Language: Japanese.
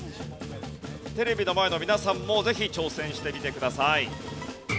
テレビの前の皆さんもぜひ挑戦してみてください。